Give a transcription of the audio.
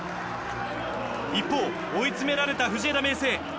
一方、追い詰められた藤枝明誠。